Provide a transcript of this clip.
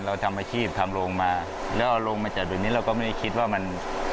เราทำอาชีพทำโรงมาแล้วเอาโรงมาจากเดี๋ยวนี้เราก็ไม่ได้คิดว่ามัน